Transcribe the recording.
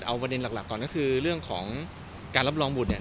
เอาประเด็นหลักก่อนก็คือเรื่องของการรับรองบุตรเนี่ย